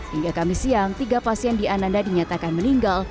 hingga kamis siang tiga pasien di ananda dinyatakan meninggal